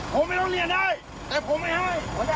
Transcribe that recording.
ผมอยากใช้อารมณ์ก็โถ่